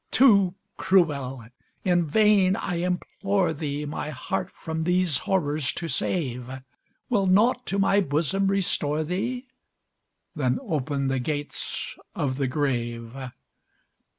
Too cruel! in vain I implore thee My heart from these horrors to save: Will naught to my bosom restore thee? Then open the gates of the grave.